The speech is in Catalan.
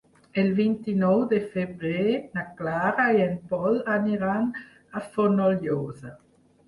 El vint-i-nou de febrer na Clara i en Pol aniran a Fonollosa.